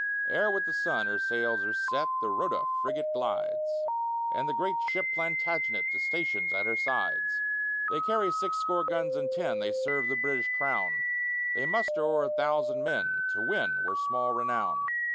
Ere with the sun her sails are set The Rota frigate glides And the great ship Plantagenet To stations at her sides: They carry six score guns and ten, They serve the British crown, They muster o'er a thousand men To win were small renown.